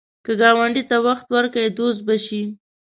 که ګاونډي ته وخت ورکړې، دوست به شي